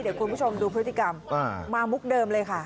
เดี๋ยวคุณผู้ชมดูพฤติกรรมมามุกเดิมเลยค่ะ